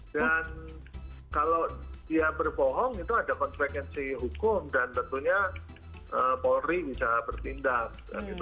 dan kalau dia berbohong itu ada konsekuensi hukum dan tentunya polri bisa bertindak